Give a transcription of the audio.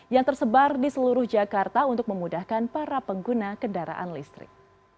yang tersebar di seluruh jakarta untuk memudahkan para pengguna kendaraan listrik